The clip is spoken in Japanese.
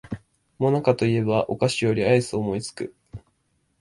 もなかと言えばお菓子よりアイスを思いつく